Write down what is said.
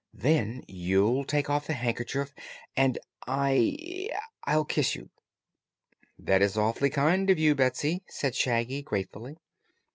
Then you'll take off the handkerchief, and I I'll kiss you." "This is awfully kind of you, Betsy!" said Shaggy, gratefully.